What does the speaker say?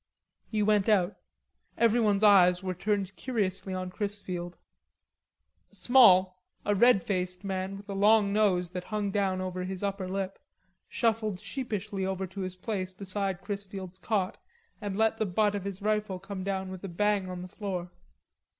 He went out. Everyone's eyes were turned curiously on Chrisfield. Small, a red faced man with a long nose that hung down over his upper lip, shuffled sheepishly over to his place beside Chrisfield's cot and let the butt of his rifle come down with a bang on the floor.